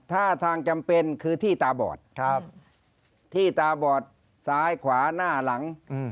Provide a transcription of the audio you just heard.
ท่าทางจำเป็นคือที่ตาบอดที่ตาบอดซ้ายขวาหน้าหลัง